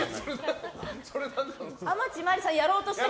天地真理さんやろうとして